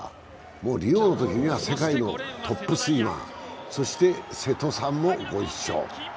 もうリオのときには世界のトップスイマー、瀬戸さんもご一緒。